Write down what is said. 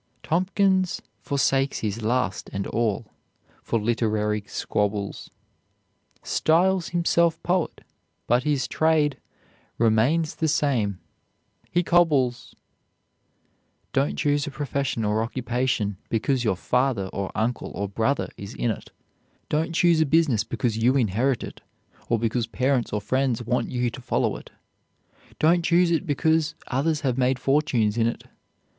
"Tompkins forsakes his last and awl For literary squabbles; Styles himself poet; but his trade Remains the same, he cobbles." Don't choose a profession or occupation because your father, or uncle, or brother is in it. Don't choose a business because you inherit it, or because parents or friends want you to follow it. Don't choose it because others have made fortunes in it.